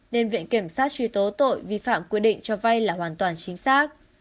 nên viện kiểm sát truy tố tội vi phạm quy định cho vay là hoàn toàn chính xác